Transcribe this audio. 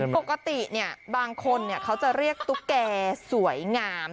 ปกติบางคนเขาจะเรียกตุ๊กแก่สวยงาม